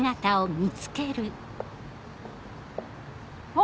あ！